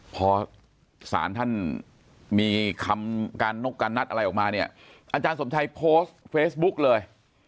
พอสารท่านมีคำการนัดอะไรออกมาเนี่ยอาจารย์สวัสดีครับโพสต์เฟซบุ๊คเลย